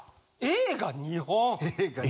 映画２本？